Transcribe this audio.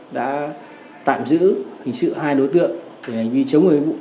đã tạm giữ hình sự hai đối tượng để hành vi chống người thi hành công vụ